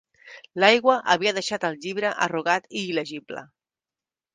L'aigua havia deixat el llibre arrugat i il·legible.